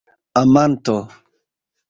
amanto